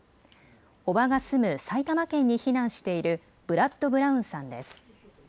叔母が住む埼玉県に避難しているブラッド・ブラウンさんです。